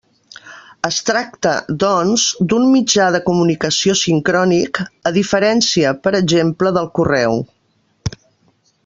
Es tracta, doncs, d'un mitjà de comunicació sincrònic, a diferència, per exemple, del correu.